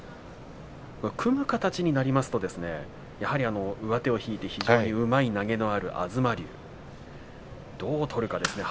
組む形になりますとやはり上手を引いて非常にうまい投げのある東龍どう取るかですね